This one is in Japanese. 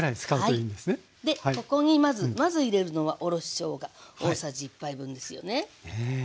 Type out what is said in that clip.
ここにまず入れるのはおろししょうが大さじ１杯分ですよね。